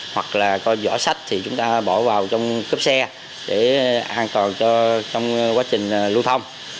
hoặc là có giỏ sách thì chúng ta bỏ vào trong cốp xe để an toàn cho trong quá trình lưu thông